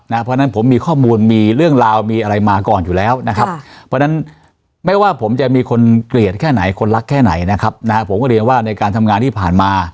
เพราะฉะนั้นผมมีข้อมูลมีเรื่องราวมีอะไรมาก่อนอยู่แล้วนะครับเพราะฉะนั้นไม่ว่าผมจะมีคนเกลียดแค่ไหนคนรักแค่ไหนนะครับนะฮะผมก็เรียนว่าในการทำงานที่ผ่านมา